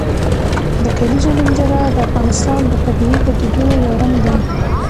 د کلیزو منظره د افغانستان د طبیعي پدیدو یو رنګ دی.